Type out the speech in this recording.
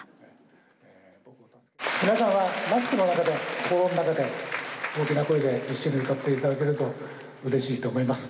皆さんはマスクの中で心の中で大きな声で一緒に歌っていただけるとうれしいと思います。